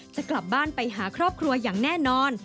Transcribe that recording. จะกลับบ้านไปหาครอบครัวอย่างแน่นอน